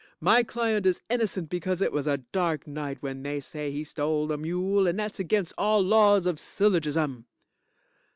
My client is innocent because it was a dark night when they say he stole the mule and that's against all laws of syllogism.